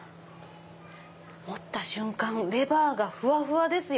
持った瞬間レバーがふわふわですよ！